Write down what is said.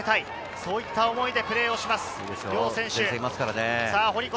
そういった思いでプレーする両選手。